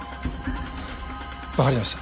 分かりました。